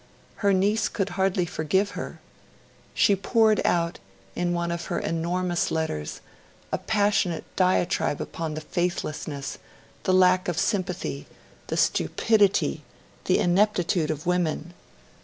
Her niece could hardly forgive her. She poured out, in one of her enormous letters, a passionate diatribe upon the faithlessness, the lack of sympathy, the stupidity, the ineptitude of women.